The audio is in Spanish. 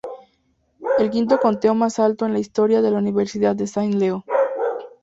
El quinto conteo más alto en la historia de la Universidad de Saint Leo.